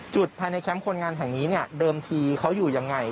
ภายในแคมป์คนงานแห่งนี้เนี่ยเดิมทีเขาอยู่ยังไง